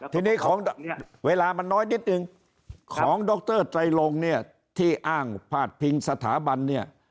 ทีนี้ของเวลามันน้อยนิดนึงของดรไตรลงเนี่ยที่อ้างพาดพิงสถาบันเนี่ย